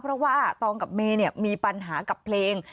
เพราะว่าตองกับเมย์มีปัญหากับเพลง